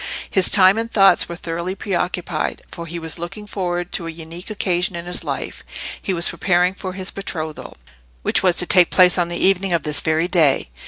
His time and thoughts were thoroughly preoccupied, for he was looking forward to a unique occasion in his life: he was preparing for his betrothal, which was to take place on the evening of this very day.